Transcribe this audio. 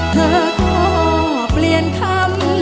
เธอก็เปลี่ยนคำ